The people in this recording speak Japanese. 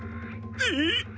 えっ？